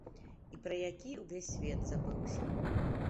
І пра які ўвесь свет забыўся.